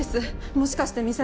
もしかして岬